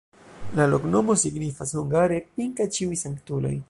La loknomo signifas hungare: Pinka-Ĉiuj Sanktuloj.